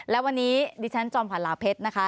และวันนี้ดิฉันจอมขวัญลาเพชรนะคะ